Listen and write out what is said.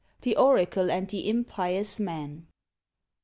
THE ORACLE AND THE IMPIOUS MAN.